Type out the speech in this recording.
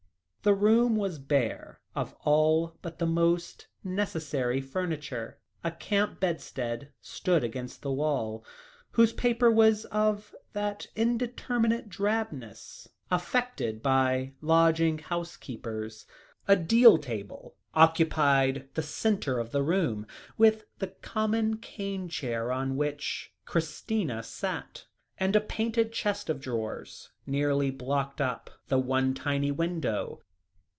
The room was bare of all but the most necessary furniture. A camp bedstead stood against the wall, whose paper was of that indeterminate drabness affected by lodging house keepers; a deal table occupied the centre of the room, with the common cane chair on which Christina sat; and a painted chest of drawers nearly blocked up the one tiny window.